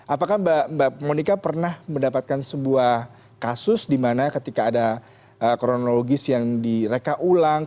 apakah mbak monika pernah mendapatkan sebuah kasus di mana ketika ada kronologis yang direka ulang